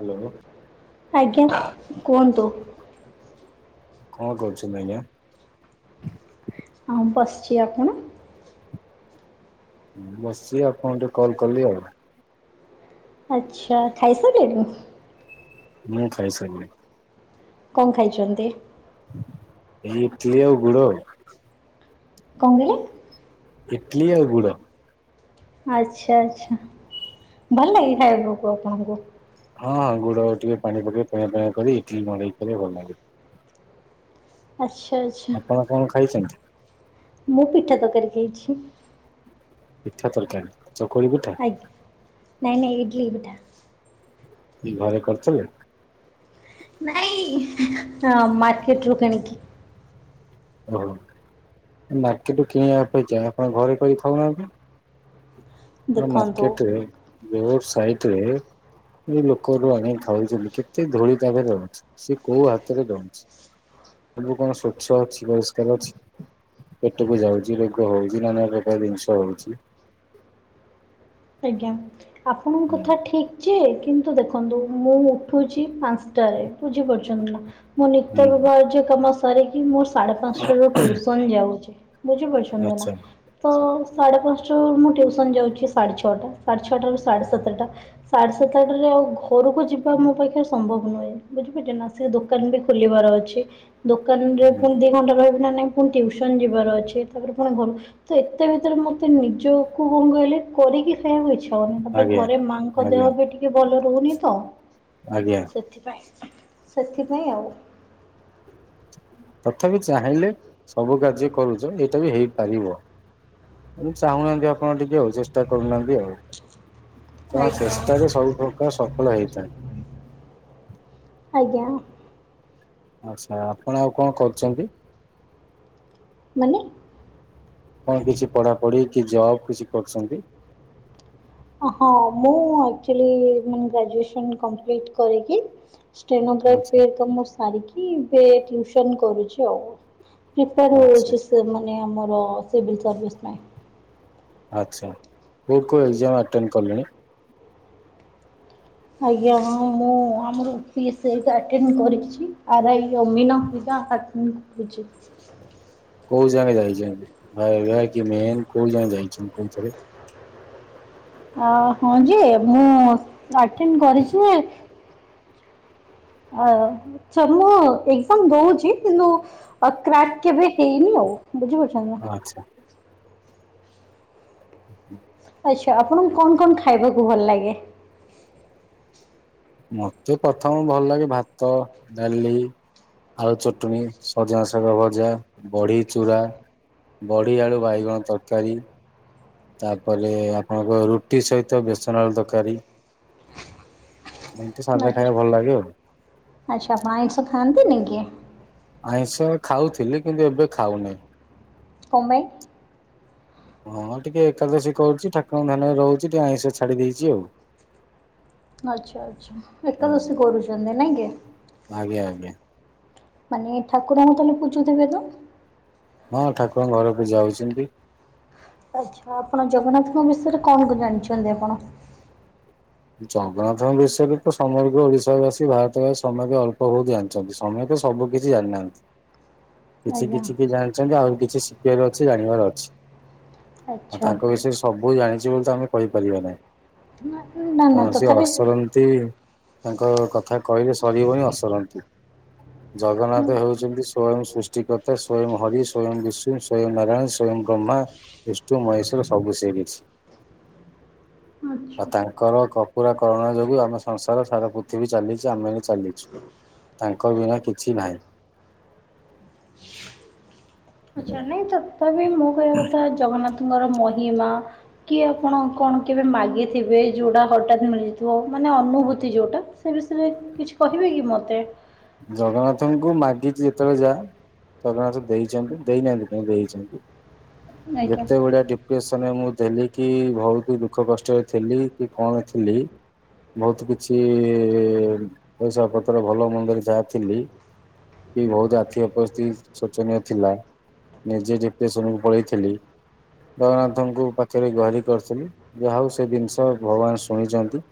Hello ଆଜ୍ଞା କୁହନ୍ତୁ କଣ କରୁଛନ୍ତି ଆଜ୍ଞା? ହଁ ବସିଛି ଆପଣ? ବସିଚି ଆପଣଙ୍କୁ ଟିକେ କଲ୍ କଲି ଆଉ ଆଚ୍ଛା ଖାଇସାରିଲେଣି? ମୁଁ ଖାଇସାରିଲିଣି କଣ ଖାଇଛନ୍ତି? ଏଇ ଇଟିଲି ଆଉ ଗୁଡ଼ ଆଉ କଣ କହିଲେ? ଇଟଲି ଆଉ ଗୁଡ। ଆଚ୍ଛା ଆଚ୍ଛା ଭଲ ଲାଗେ ଖାଇବାକୁ ଆପଣଙ୍କୁ? ହଁ ହଁ ଗୁଡ ଟିକେ ପାଣି ପକେଇ ପଣିଆ ପଣିଆ କରି ଇଟଲିି ମଡ଼େଇ ଭଲ ଲାଗେ। ଆଚ୍ଛା ଆଚ୍ଛା। ଆପଣ କଣ ଖାଇଛନ୍ତି? ମୁଁ ପିଠା ତରକାରୀ ଖାଇଛି। ପିଠା ତରକାରୀ ଚକୁଳି ପିଠା? ନାଇଁ ନାଇଁ ଇଡ୍ଲି ପିଠା। କି ଘରେ କରିଥିଲେ? ନାଇଁ ମାର୍କେଟ୍ ରୁ କିଣିକି। ଓହୋ ମାର୍କେଟୁ କିଣିବା ଅପେକ୍ଷା ଆପଣ ଘରେ କରି ଖାଉନାଆନ୍ତି। ଦେଖନ୍ତୁ ମାର୍କେଟରେ ରୋଡ୍ ସାଇଟ୍ ରେ ଯୋଉ ଲୋକରୁ ଆଣ ଖାଉଛନ୍ତି କେତେ ଧୂଳିି ତା ଧୀରେ ରହୁଛି ସେ କୋଉ ହାତରେ ଦଉଚି ସବୁ କଣ ସ୍ଵଚ୍ଛ ଅଛି ପରିଷ୍କାର ଅଛି? ପେଟକୁ ଯାଉଚି ରୋଗ ହଉଛି ନାନା ପ୍ରକାର ଜିନିଷ ହଉଚି ଆଜ୍ଞା ଆପଣଙ୍କ କଥା ଠିକ। ଯେ କିନ୍ତୁ ଦେଖନ୍ତୁ ମୁଁ ଉଠୁଛି ପାଞ୍ଚଟାରେ ବୁଝି ପାରୁଚନ୍ତି ନା? ମୁଁ ନିତ୍ୟ ହୁଁ [unintelligible] ସାରିକି ମୁଁ ସାଢେ ପାଞ୍ଚଟାରୁ ଟିୟୁସନ୍ ଯାଉଚି ବୁଝି ପାରୁଛନ୍ତି ନା? ଆଚ୍ଛା ତ ସାଢ଼େ ପାଞ୍ଚଟାରୁ ମୁଁ ଟିୟୁସନ୍ ଯାଉଛି ସାଢ଼େ ଛଅଟା ସାଢ଼େ ଛଅଟାରୁ ସାଢ଼େ ସାତଟା। ସାଢ଼େ ସାତଟାରେ ଆଉ ଘରକୁ ଯିବା ମୋ ପାଖରେ ସମ୍ଭବ ନୁହେଁ। ବୁଝିପାରୁଛେ ନା ସେ ଦୋକାନ ବି ଖୋଲିବାର ଅଛି ଦୋକାନ ରେ ପୁଣି ଦି ଘଣ୍ଟା ରହିବି ନା ନାଇଁ ପୁଣି ଟ୍ୟୟୁସନ ଯିବାର ଅଛି। ତାପରେ ପୁଣି ଘରୁ ତ ଏତେ ଭିତରେ ମତେ ନିଜକୁ କଣ କହିଲେ। କରିକି ଖାଇବାକୁ ଇଚ୍ଛା ହେଉନି। ତାପରେ ଆଜ୍ଞା ଘରେ ମାଙ୍କ ଦେହ ଆଜ୍ଞା ଏବେ ଟିକେ ଭଲ ରହୁନି ତ। ଆଜ୍ଞା। ସଥିପାଇଁ, ସେଥିପାଇଁ ଆଉ। ତଥାପି ଚାହିଁଲେ ସବୁ କାର୍ଯ୍ୟ କରୁଚ ଏଇଟା ବି ହେଇପାରିବ। ଚାହୁଁ ନାହାଁନ୍ତି ଆପଣ ଟିକେ ଆଉ ଚେଷ୍ଟା କରୁନାହାନ୍ତି ଆଉ। ତ ଆଜ୍ଞା ଚେଷ୍ଟାରେ ସବୁ ପ୍ରକାର ସଫଳ ହେଇପରେ। ଆଜ୍ଞା। ଆଚ୍ଛା। ଆପଣ ଆଉ କଣ କରୁଛନ୍ତି? ମାନେ? କଣ କିଛି ପଢ଼ାପଢି଼ କି ଯବ୍ କିଛି କରୁଛନ୍ତି? ହଁ ମୁଁ ଆକ୍ଚୁଆଲି ମାନେ ଗ୍ରାଜୁଏସନ୍ କମ୍ପ୍ଲିଟ୍ କରିକି ଷ୍ଟେନୋ ଆଚ୍ଛା କ୍ରାକ୍ କାମ ସାରିକି ଏବେ ଟିୟୁସନ୍ କରୁଛି ଆଉ। ପ୍ରିପାୟାର୍ ଆଚ୍ଛା ହେଉଛି ସେ ମାନେ ଆମର ସିଭିଲି ସର୍ଭିସ୍ ପାଇଁ। ଆଚ୍ଛା। କୋଉ କୋଉ ଏକ୍ଜାମ୍ ଆଟେଣ୍ଡ୍ କଲେଣି? ଆଜ୍ଞା ହଁ ମୁଁ ଆମରି ଓ ପି ଏସ୍ ସି ହେରିକା ଆଟେଣ୍ଡ୍ କରିଛି ଆର୍ ଆଇ ଆମିନ। [unintelligible] କୋଉ ଯାକେ ଯାଇଚନ୍ତି? ହାୱଡ଼ା କି ମେନ୍ କୋଉ ଯାକେ ଯାଇଚନ୍ତି କୋଉଥିରେ? ଆ ହଁ ଯେ ମୁଁ ଅଟେଣ୍ଡ୍ କରିଚି। ଆ ଚ୍ଛା ମୁଁ ଏକ୍ଜାମ୍ ଦଉଚି କିନ୍ତୁ ଆଉ କ୍ରାକ୍ କେବେ ହେଇନି ଆଉ। ବୁଝିପାରୁଛନ୍ତି ନା? ଆଚ୍ଛା। [inaudible] ଆଚ୍ଛା, ଆପଣଙ୍କୁ କଣ କଣ ଖାଇବାକୁ ଭଲ ଲାଗେ? ମତେ ପ୍ରଥମ ଭଲ ଲାଗେ ଭାତ, ଡାଲି। ଆଳୁ ଚଟଣୀ, ସଜନା ଶାଗ ଭଜା, ବଢି। ଚୁଡ଼ା, ବଢ଼ି ଆଳୁ ବାଇଗଣ ତରକାରୀ। ତାପରେ ଆପଣଙ୍କ ରୁଟି ସହିତ ବେସନ ଆଳୁ ତରକାରୀ। ଏମତି ସାଧା ଆଚ୍ଛା ଖାଇବା ଭଲ ଲାଗେ ଆଉ। ଆଚ୍ଛା ଆପଣ ଆଇଁଷ ଖାଆନ୍ତି ନି କି? ଆଇଁଷା ଖାଉଥିଲି କିନ୍ତୁ ଏବେ ଖାଉନି। କଁ ପାଇଁ? [inaudible] ହଁ ଟିକେ ଏକାଦଶୀ କରୁଚି ଠାକୁରଙ୍କ ଧ୍ୟାନରେ ରହୁଚି ଟିକେ ଆଇଁଷ ଛାଡି଼ ଦେଇଚି ଆଉ। ଆଚ୍ଛା ଆଚ୍ଛା ଏକାଦଶୀ କରୁଚନ୍ତି ନାଇ କି? ଆଜ୍ଞା ଆଜ୍ଞା ମାନେ ଠାକୁରଙ୍କୁ ତାହେଲେ ପୁଜୁଥିବେ ତ? ହଁ ଠାକୁରଙ୍କ ଘରେ ପୂଜା ହଉଛନ୍ତି। ଆଛା ଆପଣ ଜଗନ୍ନାଥଙ୍କ ବିଷୟରେ କଣ ଜାଣିଚନ୍ତି ଆପଣ? ଜଗନ୍ନାଥଙ୍କ ବିଷୟରେ ତ ସମଗ୍ର ଓଡି଼ଶା ବାସୀ ଭାରତବାସୀ ସମତେ ଅଳ୍ପ ବହୁତ ଜାଣ ସମତେ ସବୁ କିଛି ଜାନନାହାନ୍ତି। କିଛି ଆଜ୍ଞା କିଛି କି ଜାଣିଚନ୍ତି ଆହୁରି କିଛି ଶିଖିବାର ଅଛି ଜାଣିବାର ଅଛି। ଆଉ ଆଚ୍ଛା ତାଙ୍କ ବିଷୟରେ ସବୁ ଜାଣିଚି ବୋଲି ତ ଆମେ କହିପାରିବା ନାହିଁ। ନା ନା ତେଣୁ ସିଏ ତଥାପି। ଅସରନ୍ତି ତାଙ୍କ କଥା କହିଲେ ସରିବନି ଅସରନ୍ତି। ଜଗନ୍ନାଥ ହେଉଚନ୍ତି ସ୍ଵୟଂ ସୃଷ୍ଟି କର୍ତ୍ତା, ସ୍ଵୟଂ ହରି, ସ୍ଵୟଂ ବିଷ୍ଣୁ ସ୍ଵୟଂ ନାରାୟଣ, ସ୍ଵୟଂ ବ୍ରହ୍ମା, ବିଷ୍ଣୁ ମହେଶ୍ୱର ସବୁ ସିଏ କିଛି। ଆଉ ଆଛା। ତାଙ୍କର କପୁରା କରୁଣା ଯୋଗୁ ଆମ ସଂସାର ସାରା ପୃଥିବୀ ଚାଲିଚି ଆମେ ବି ଚାଲିଚୁ। ତାଙ୍କ ବିନା କିଛି ନାହିଁ। ଆଛା ନାଇଁ ତଥାବି ମୁଁ କହିବା କଥା ଜଗନ୍ନାଥଙ୍କର ମହିମା କି ଆପଣ କଣ କେବେ ମାଗିଥିବେ ଯୋଉଟା ହଟାତ ମିଳିଥିବ ମାନେ ଅନୁଭୂତି ଯୋଉଟା। ସେ ବିଷରେ କିଛି କହିବେ କି ମତେ। ଜଗନ୍ନାଥଙ୍କୁ ମାଗିଚି ଯେ ତେବେଳେ ଯା ଜଗନ୍ନାଥ ଦେଇଚନ୍ତି ଦେଇନାହାନ୍ତି କାଇଁ ଦେଇଚନ୍ତି। ଆଜ୍ଞା। ଯେତେବଳେ ଡି ଡିପ୍ରେସନରେ ମୁଁ ଥେଲି କି ଭଉତୁ ଦୁଃଖ କଷ୍ଟରେ ଥିଲି କି କଣ ଥିଲି ବହୁତ କିଛି ପଇସା ପତ୍ର ଭଲ ମନ୍ଦରେ ଯା ଥିଲି କି ବୋହୁତ ଆର୍ଥିକ ପରିସ୍ତି ଚନୀୟ ଥିଲା ନିଜେ ଡିପରେସନକୁ ପଳେଇଥିଲି। ଜଗନ୍ନାଥଙ୍କୁ ପାଖେରେ ଗୁହାରି କରିଥିଲି ଯାହା ହଉ ସେ ଜିନଷ ଭଗବାନ ଶୁଣିଚନ୍ତି।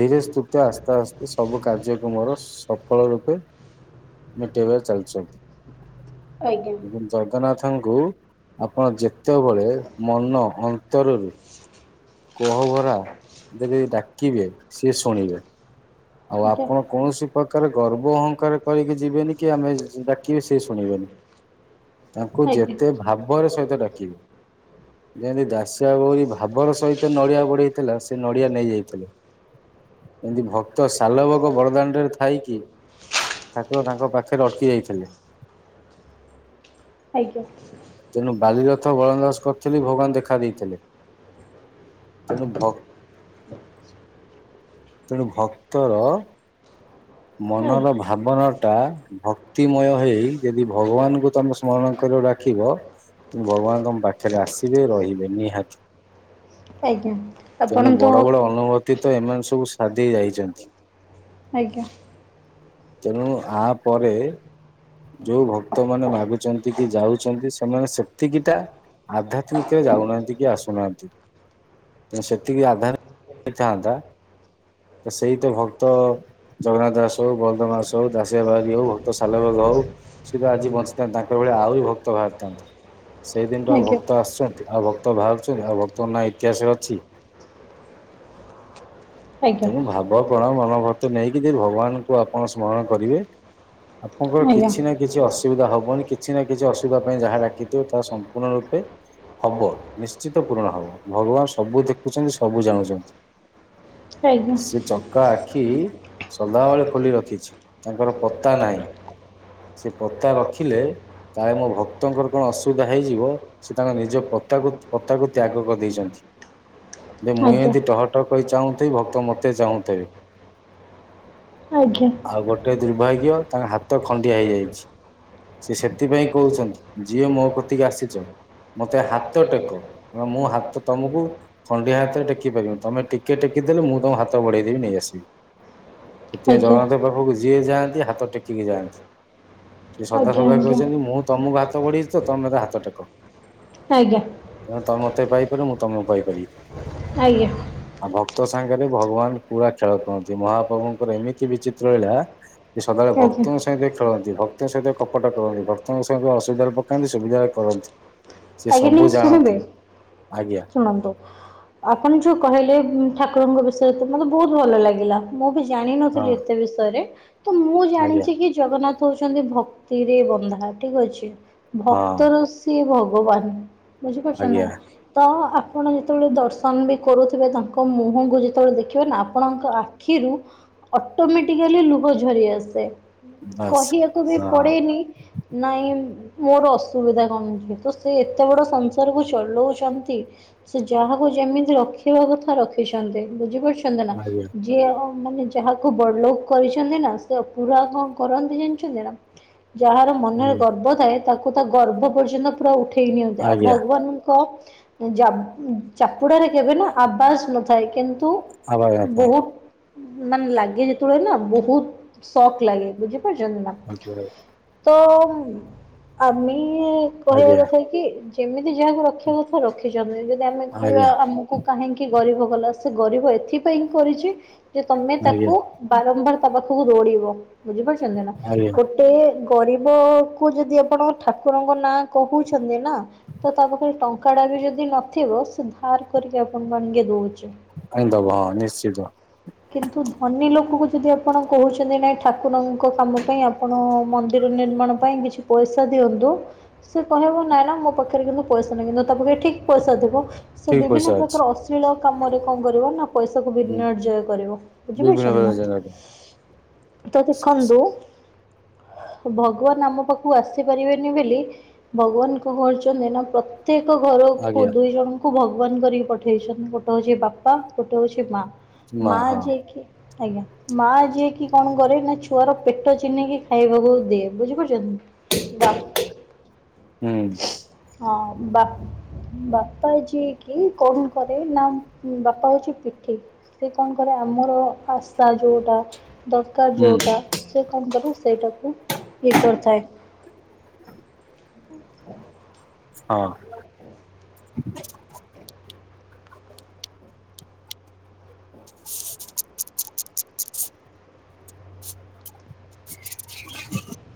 ଧୀରେ ସ୍ତୁସ୍ତେ ଆସ୍ତେ ଆସ୍ତେ ସବୁ କାର୍ଯ୍ୟକୁ ମୋର ସଫଳ ରୂ ମିଟେଇ ବାରେ ଚାଲିଚି। ଆଜ୍ଞା ଜଗନ୍ନାଥଙ୍କୁ ଆପଣ ଯେ ତେବଳେ ମନ ଅନ୍ତରରୁ କୋହଭରା ଯଦି ଡାକିବେ ସିଏ ଶୁଣିବେ। ଆଉ ଆଜ୍ଞା। ଆପଣ କୌଣସି ପ୍ରକାର ଗର୍ବ ଅହଂକାର କରିକି ଯିବେନି କି ଆମେ ଡାକିବେ ସେ ଶୁଣିବେନି। ତାଙ୍କୁ ଆଜ୍ଞା। ଯେତେ ଭାବରେ ସହିତ ଡାକିବେ। ଯେନ୍ତି ଦାସଆ ବଉରୀ ଭାବର ସହିତ ନଡିଆ ବଢେଇ ଥିଲା ସେ ନଡ଼ିଆ ନେଇଯାଇଥିଲେ ଏମିତି ଭ ତ ସାଲବଗ ବଦଦାଣ୍ଡରେ ଥାଇ କି ଠାକୁର ତାଙ୍କ ପାଖରେ ଅଟକି ଯାଇଥିଲେ। ଆଜ୍ଞା। ତେଣୁ ବାଲିରଥ ବଳନ୍ଦବାସ କରିଥିଲି ଭଗବାନ ଦେଖା ଦେଇଥିଲେ। ତେଣୁ ଭକ୍ ତେଣୁ ଭକ୍ତର ଆଜ୍ଞା ମନର ଭାବନା ଟା ଭକ୍ତିମୟ ହେଇ ଯଦି ଭଗବାନଙ୍କୁ ତମ ସ ସ୍ମରଣ କର ଡାକିବ ଭଗବାନ ତମ ପାଖରେ ଆସିବେ ରହିବେ ନିହାତି। ଆଜ୍ଞା ଆପଣ ତେଣୁ ତ ବଡ ବଡ ଅନୁଭତି ତ ଏମାନେ ସବୁ ସାରିଦେଇ ଯାଇଚନ୍ତି। ଆଜ୍ଞା। ତେଣୁ ଆ ପରେ ଯୋଉ ଭକ୍ତ ମାନେ ମାଗୁଚନ୍ତି କି ଯାଉଚନ୍ତି ସେମାନେ ସେତିକିଟା ଆଧ୍ୟାତ୍ମିକ ଯାଉନାହାନ୍ତି କି ଆସୁନାହାନ୍ତି। ତେଣୁ ସେତିକି ଆଧ୍ୟାତ୍ମିକ ଥାନ୍ତା ତ ସେଇ ତ ଭକ୍ତ ଜଗନ୍ନାଥ ଦାସ ହଉ ବଳରାମ ଦାସ ହଉ ଦାଶଆ ବାଉରି ହଉ ଭକ୍ତ ସାଲବେଗ ହଉ ସି ତ ଆଜି ବଞ୍ଚିଥାନ୍ତି ତାଙ୍କ ଭଳି ଆହୁରି ଭ ଭକ୍ତ ବାହାରିଥାନ୍ତେ ସେଇ ଦିନଠୁ ଆଉ ଆଜ୍ଞା। ଭକ୍ତ ଆସୁଛନ୍ତି ଆଉ ଭକ୍ତ ବାହାରୁଛନ୍ତି ଆଉ ଭକ୍ତର ନା ଇତିହାସରେ ଅଛି। ଆଜ୍ଞା। ତେଣୁ ଭାବ ପ୍ରଣ ମନୋଭକ୍ତି ନେଇକି ଯଦି ଭଗବାନଙ୍କୁ ଆପଣ ସ୍ମରଣ କରିବେ ଆପଣଙ୍କର କିଛି ନା କିଛି ଅସୁବିଧା ହବନି କିଛି ନା କିଛି ଅସୁବିଧା ପାଇଁ ଯାହା ଡାିକିଥିବ ତାହା ସ ପୂଣ ରୂପେ ହବ ନିସ ନିଶ୍ଚିତ ପୂରଣ ହବ ଭଗବାନ ସବୁ ଦେଖୁଛନ୍ତି ସବୁ ଜାଣୁଛନ୍ତି। ଆଜ୍ଞା। ଆଜ୍ଞା ସେ ଚକା ଆଖି ସଦାବେଳେ ଖୋଲି ରଖିଛି ତାଙ୍କର ପତା ନାହିଁ ସେ ପତା ରଖିଲେ କାଳେ ମୋ ଭକ୍ତଙ୍କର କଣ ଅସୁବିଧା ହେଇଯିବ। ସେ ତାଙ୍କ ନିଜ ପତାକୁ ପତାକୁ ତ୍ୟାଗ କରିଦେଇଛନ୍ତି। ଯେ ମୁଁ ଆଜ୍ଞା। ଏମିତି ଟହ ଟହ କରି ଚାହୁଁଥିବି ଭକ୍ତ ମତେ ଚାହୁଁଥିବେ। ଆଜ୍ଞା। ଆଉ ଗୋଟେ ଦୁର୍ଭାଗ୍ୟ ତାଙ୍କ ହାତ ଖଣ୍ଡିଆ ହେଇଯାଇଛି ସେ ସେଥିପାଇଁ କହୁଛନ୍ତି। ଯିଏ ମୋ କତିକି ଆସିଛ ମତେ ହାତ ଟେକ ମୁଁ ହାତ ତମକୁ ଖଣ୍ଡିଆ ହାତରେ ଟେକି ପାରିବିନି ତମେ ଟିକେ ଟେକିଦେଲେ ମୁଁ ତମ ହାତ ବଢେଇଦବି ନେଇଆସିବି। ସେଥିପାଇଁ ଆଜ୍ଞା। ଜଗନ୍ନାଥ ପାଖକୁ ଯିଏ ଯାଆନ୍ତି ହାତ ଟେକିକି ଯାଆନ୍ତି। ସେ ସଦା ଆଜ୍ଞା ସଦା କହିଛନ୍ତି ମୁଁ ତମକୁ ହାତ ବଢେଇଛି ତ ତମେ ହାତ ଟେକ। ଆଜ୍ଞା। ତେଣୁ ତମେ ମତେ ପାଇପାରିବ ମୁଁ ତମକୁ ପାଇପାରିବି। ଆଜ୍ଞା। ଆଉ ଭକ୍ତ ସାଙ୍ଗରେ ଭଗବାନ ପୁରା ଖେଳ କରନ୍ତି। ମହାପ୍ରଭୁଙ୍କର ଏମିତି ବିଚିତ୍ର ଲୀଳା ସେ ସଦାବେଳେ ଆଜ୍ଞା ଭକ୍ତଙ୍କ ସାଙ୍ଗେ ଖେଳନ୍ତି ଭକ୍ତଙ୍କ ସହିତ କପଟ କରନ୍ତି। ଭକ୍ତଙ୍କ ସାଙ୍ଗେ ସହ ଅସୁବିଧାରେ ପକାନ୍ତି ସୁବିଧାରେ କରନ୍ତି। ସେ ଆଜ୍ଞା ଟିକେ ସବୁ ଜାଣନ୍ତି ଶୁଣିବେ ଆଜ୍ଞା। ଶୁଣନ୍ତୁ ଆପଣ ଯୋଉ କହିଲେ ଠାକୁରଙ୍କ ବିଷୟରେ ତ ମତେ ବହୁତ ଭଲ ଲାଗିଲା। ମୁଁ ବି ହଁ ଜାଣିନଥିଲି ଏତେ ବିଷୟରେ ତ ମୁଁ ଆଜ୍ଞା ଜାଣିଛି କି ଜଗନ୍ନାଥ ହଉଛନ୍ତି ଭକ୍ତିରେ ବନ୍ଧା ଠିକ ଅଛି। ହଁ ଭକ୍ତର ସିଏ ଭଗବାନ ଆଜ୍ଞା ବୁଝିପାରୁଛନ୍ତିନା ତ ଆପଣ ଯେତେବେଳେ ଦର୍ଶନ ବି କରୁଥିବେ ତାଙ୍କ ମୁହଁକୁ ଯେତେବେଳେ ଦେଖିବେ ନା ଆପଣଙ୍କ ଆଖିରୁ ଅଟୋମେଟିକାଲି ଲୁହ ଝରି ଆସେ ବାସ୍। କହିବାକୁ ବି ହଁ ପଡେନି ନାଇଁ ମୋର ଅସୁବିଧା କଣ ହୋଉଛି ତ ସେ ଏତେ ବଡ଼ ସଂସାରକୁ ଚଲଉଛନ୍ତି ସେ ଯାହାକୁ ଯେମିତି ରଖିବା କଥା ରଖିଛନ୍ତି ବୁଝି ପାରୁଛନ୍ତିନା। ଆଜ୍ଞା ଯିଏ ମାନେ ଯାହାକୁ ବଡଲୋକ କରିଛନ୍ତିନା ସେ ପୁରା କଣ କରନ୍ତି ଜାଣିଛନ୍ତିନା। ଯାହାର ମନରେ ଆଜ୍ଞା ଗର୍ବ ଥାଏ ତାକୁ ତା ଗର୍ବ ପର୍ଯ୍ୟନ୍ତ ପୁରା ଉଠେଇ ଠେଇ ନିଅନ୍ତି ଆଉ ଆଜ୍ଞା ଭଗବାନଙ୍କ ଯା ଚାପୁଡ଼ାରେ କେବେ ନା ଆବାସ ନଥାଏ କିନ୍ତୁ ଆବାଜ ଆସୁନି। ବହୁତ ମାନେ ଲାଗେ ଯେତେବେଳେ ନା ବହୁତ ଶକ ଲାଗେ ବୁଝିପାରୁଛନ୍ତିନା। ଆଜ୍ଞା ତ ଆମେ କହିବା ଆଜ୍ଞା କଥା କି ଯେମିତି ଯାହାକୁ ରଖିବା କଥା ରଖିଛନ୍ତି ଯେ ଆମେ କହିବା ଆଜ୍ଞା ଆମକୁ କାହିଁକି ଗରିବ କଲା ସେ ଗରିବ ଏ ଏଥିପାଇଁ କରିଛି ଯେ ତମେ ତାକୁ ଆଜ୍ଞା ବାରମ୍ବାର ତା ପାଖକୁ ଦୌଡିବ ବୁଝିପାରୁଛନ୍ତିନା। ଆରିଆ। ଗୋଟେ ଗରିବକୁ ଯଦି ଆପଣ ଠାକୁରଙ୍କ ନାଁ କହୁଛନ୍ତି ନା ତ ତା ପାଖରେ ଟଙ୍କାଟା ବି ଯଦି ନଥିବ ସେ ଧାର କରିକି ଆପଣଙ୍କୁ ଆଣିକି ଦଉଛି। ଆଣିଦେବ ହଁ ନିଶ୍ଚିତ। କିନ୍ତୁ ଧନୀ ଲୋକଙ୍କୁ ଯଦି ଆପଣ କହୁଛନ୍ତି ନାଇ ଠାକୁରଙ୍କ କାମ ପାଇଁ ଆପଣ ମନ୍ଦିର ନିର୍ମାଣ ପାଇଁ କିଛି ପଇସା ପଇସା ଦିଅନ୍ତୁ ସେ କହିବ ନାଇଁନା ମୋ ପାଖରେ କିନ୍ତୁ ପଇସା ନାହିଁ କିନ୍ତୁ ତା ପାଖରେ ଠିକ ପଇସା ଥିବ। ସେ ଠିକ ବିଭିନ୍ନ ପଇସା ଅଛି। ପ୍ରକାର ଅଶ୍ଳୀଳ କାମରେ କଣ କରିବ ନା ପଇସାକୁ ହୁଁ ବିନର୍ଜୟ କରିବ। ବିଭିନ୍ନ ବୁଝିପାରୁଛନ୍ତି ପ୍ରକାର ନା ଜାଗାରେ ତ ଦେଖନ୍ତୁ ଭଗବାନ ଆମ ପାଖକୁ ଆସିପାରିବେନି ବୋଲି ଭଗବାନଙ୍କ କରୁଛନ୍ତି ନା ପ୍ରତ୍ୟେକ ଘରକୁ ଆଜ୍ଞା ଦୁଇ ଜଣଙ୍କୁ ଭଗବାନ କରିକି ପଠେଇଛନ୍ତି ଗୋଟେ ହଉଛି ବାପା ଗୋଟେ ହଉଛି ମାଆ। ମା ଯିଏକି, ଆଜ୍ଞା ମା ଯିଏକି କଣ କରେ ନା ଛୁ ପୁଅର ପେଟ ଚିହ୍ନିକି ଖାଇବାକୁ ଦିଏ ବୁଝିପାରୁଚନ୍ତି? ହୁଁ। ହଁ ବା, ବାପା ଯିଏକି କଣ କରେ ନା ବାପା ହଉଚି ପିଠି। ସେ କଣ କରେ ଆମର ଶା ଯୋଉଟା, ଦରକାର ହୁଁ ଯୋଉଟା ସେ କଣ କରେ ସେଇଟାକୁ ଇଏ କରିଥାଏ। [inaudible] ହଁ। [inaudible]